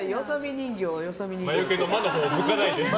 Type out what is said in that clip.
魔よけの魔のほう向かないで。